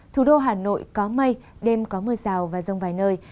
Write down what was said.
thủ đô hà nội có mây đêm có mưa rào và rông vài nơi